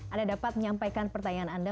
anda dapat menyampaikan pertanyaan anda